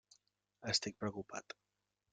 Estic preocupat.